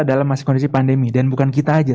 dalam kondisi pandemi dan bukan kita aja